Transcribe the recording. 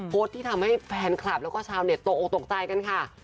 ที่ทำให้แฟนคลับแล้วก็ชาวเน็ตตกออกตกใจกันค่ะ